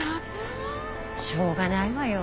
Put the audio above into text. しょうがないわよ。